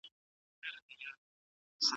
روښانه فکر ستړیا نه جوړوي.